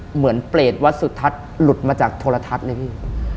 เหมือนเปรตวัสสุทัศน์หลุดมาจากโทรทัศน์เลยพี่